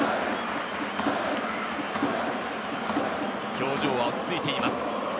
表情は落ち着いています。